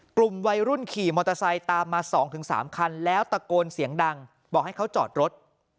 กลุ่มวัยรุ่นขี่มอเตอร์ไซค์ตามมา๒๓คันแล้วตะโกนเสียงดังบอกให้เขาจอดรถ